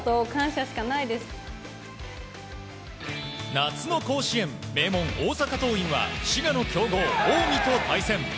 夏の甲子園、名門・大阪桐蔭は滋賀の強豪・近江と対戦。